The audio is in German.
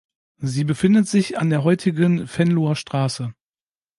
Sie befindet sich an der heutigen Venloer Straße.